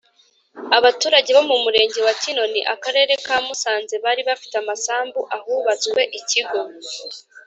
Abaturage Bo Mu Murenge Wa Kinoni Akarere Ka Musanze Bari Bafite Amasambu Ahubatswe Ikigo